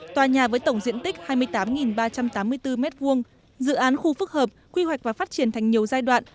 tòa nhà với tổng diện tích hai mươi tám ba trăm tám mươi bốn m hai dự án khu phức hợp quy hoạch và phát triển thành nhiều giai đoạn